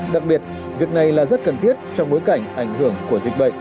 đặc biệt việc này là rất cần thiết trong bối cảnh ảnh hưởng của dịch bệnh